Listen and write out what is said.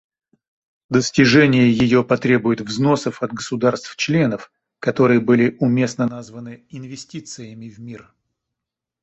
Достижение ее потребует взносов от государств-членов, которые были уместно названы инвестициями в мир.